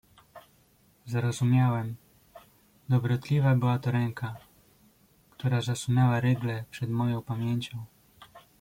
"Zrozumiałem: dobrotliwa była to ręka, która zasunęła rygle przed moją pamięcią."